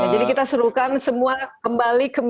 jadi kita suruhkan semua kembali ke media ya